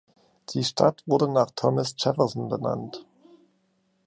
Die Stadt wurde nach Thomas Jefferson benannt.